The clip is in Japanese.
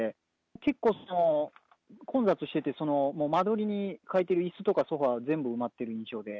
結構、混雑してて、その間取りに書いてるいすとかソファ、全部埋まってる印象で。